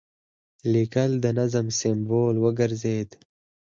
لیکل د نظم سمبول وګرځېدل.